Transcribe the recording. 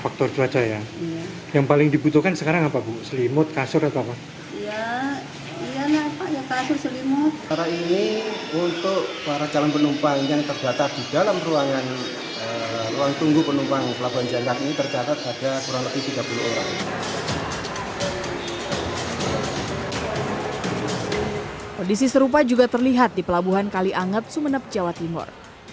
kondisi serupa juga terlihat di pelabuhan kaliangat sumeneb jawa timur